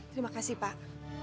terima kasih pak